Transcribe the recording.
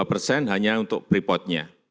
enam puluh dua persen hanya untuk pripotnya